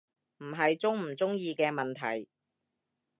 唔係鍾唔鍾意嘅問題